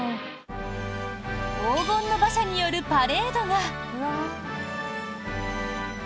黄金の馬車によるパレードが。